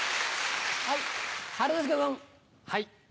はい。